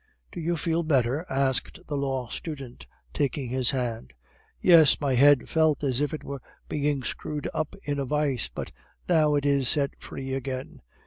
"Do you feel better?" asked the law student, taking his hand. "Yes. My head felt as if it were being screwed up in a vise, but now it is set free again.